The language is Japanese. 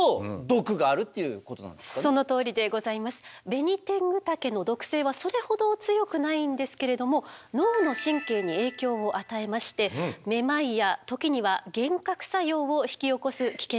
ベニテングタケの毒性はそれほど強くないんですけれども脳の神経に影響を与えましてめまいや時には幻覚作用を引き起こす危険性がございます。